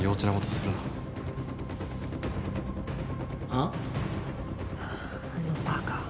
ああのバカ。